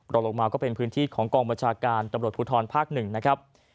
ลงมาก็เป็นพื้นที่ของกองบัญชาการตำรวจภูทรภาค๑นะครับ